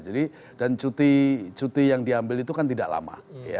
dan cuti yang diambil itu kan tidak lama